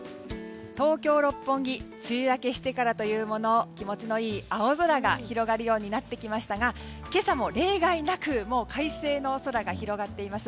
東京・六本木梅雨明けしてからというもの気持ちのいい青空が広がるようになってきましたが今朝も例外なく快晴の空が広がっています。